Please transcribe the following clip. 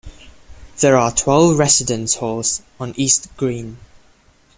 There are twelve residence halls on East Green.